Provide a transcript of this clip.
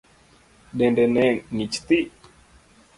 Dende ne ng'ich thii.